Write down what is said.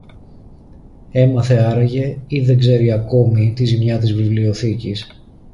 Έμαθε άραγε, ή δεν ξέρει ακόμη τη ζημιά της βιβλιοθήκης;